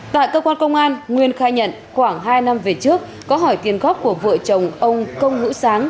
tại cơ quan công an nguyên khai nhận khoảng hai năm về trước có hỏi tiền góp của vợ chồng ông công hữu sáng